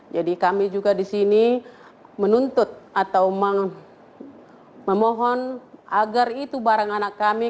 jadi kami juga disini menuntut atau memohon agar itu barang anak kami